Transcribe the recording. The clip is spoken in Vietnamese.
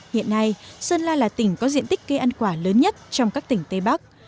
hiện nay sơn la là tỉnh có diện tích cây ăn quả lớn nhất trong các tỉnh tây bắc